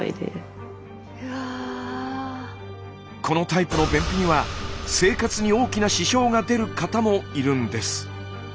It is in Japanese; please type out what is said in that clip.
このタイプの便秘には生活に大きな支障が出る方もいるんです。